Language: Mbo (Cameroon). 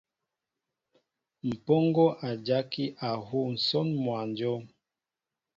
Mpoŋo a jaki a huu nsón mwănjóm.